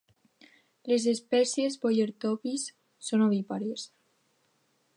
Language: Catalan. Les espècies Bogertophis són ovípares.